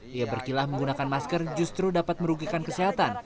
dia berkilah menggunakan masker justru dapat merugikan kesehatan